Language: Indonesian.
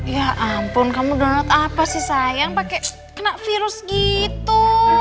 ya ampun kamu donat apa sih sayang pakai kena virus gitu